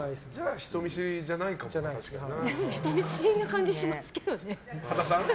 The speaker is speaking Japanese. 人見知りな感じしますけどね。